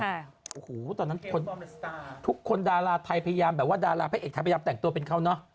โอ้โหตอนนั้นคนทุกคนดาราไทยพยายามแบบว่าดาราพระเอกไทยพยายามแต่งตัวเป็นเขาเนอะ